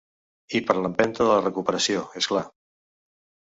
I per a l’empenta de la recuperació, és clar.